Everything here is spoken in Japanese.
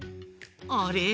あれ？